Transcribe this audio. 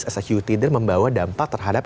as a youth leader membawa dampak terhadap